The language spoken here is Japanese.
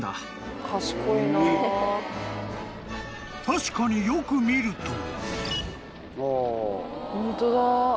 ［確かによく見ると］